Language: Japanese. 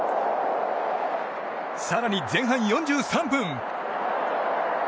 更に、前半４３分。